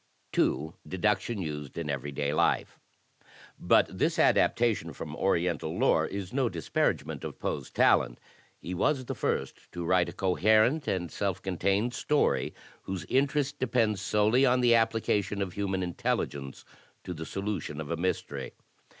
2. Deduction Used in Every day Life But this adaptation from Oriental lore is no disparagement of Poe's talent. He was the first to write a coherent and( / DEDUCTION 91 self contained story whose interest depends solely on the application of human intelligence to the solution of a mystery.